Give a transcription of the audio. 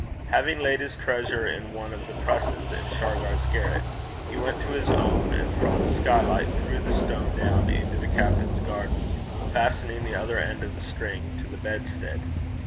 Having laid his treasure in one of the presses in Shargar's garret, he went to his own, and from the skylight threw the stone down into the captain's garden, fastening the other end of the string to the bedstead.